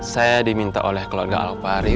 saya diminta oleh keluarga alfari